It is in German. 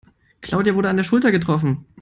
Claudia wurde an der Schulter getroffen.